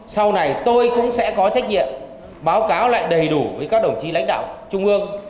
sau này tôi cũng sẽ có trách nhiệm báo cáo lại đầy đủ với các đồng chí lãnh đạo trung ương